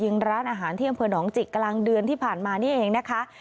ร้านอาหารที่อำเภอหนองจิกกลางเดือนที่ผ่านมานี่เองนะคะ